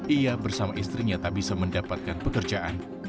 ia bersama istrinya tak bisa mendapatkan pekerjaan